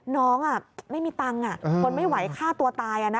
น้องอ่ะไม่มีตังค์คนไม่ไหวฆ่าตัวตายนะค่ะ